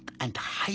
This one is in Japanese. はい。